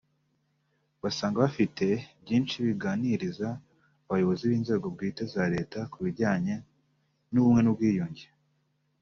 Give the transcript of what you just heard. basanga bafite byinshi baganiriza abayobozi b’inzego bwite za Leta ku bijyanye n’ubumwe n’ubwiyunge